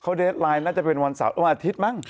เขาเดทไลน์น่าจะเป็นวันอาทิตย์มั่ง